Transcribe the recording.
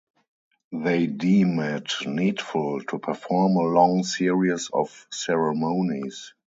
They deem it needful to perform a long series of ceremonies.